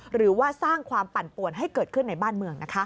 หรือว่าสร้างความปั่นป่วนให้เกิดขึ้นในบ้านเมือง